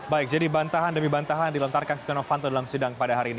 baik jadi bantahan demi bantahan dilontarkan setia novanto dalam sidang pada hari ini